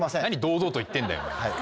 何堂々と言ってんだよ。